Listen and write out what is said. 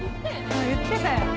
うん言ってたよ。